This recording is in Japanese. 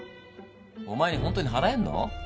お前にほんとに払えんの？